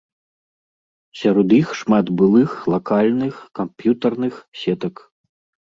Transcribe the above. Сярод іх шмат былых лакальных камп'ютарных сетак.